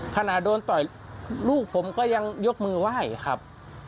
ขณะโดนต่อยลูกผมก็ยังยกมือไหว้ครับ